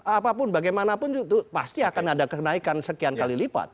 apapun bagaimanapun itu pasti akan ada kenaikan sekian kali lipat